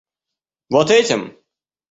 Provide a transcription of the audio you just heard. Вот этим?